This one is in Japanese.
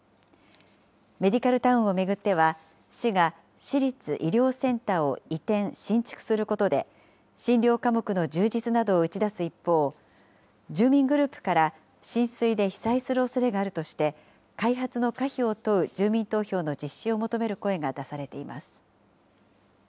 メディカルタウンを巡っては、市が市立医療センターを移転・新築することで、診療科目の充実などを打ち出す一方、住民グループから、浸水で被災するおそれがあるとして、開発の可否を問う住民投票の実施を求める声が出されています。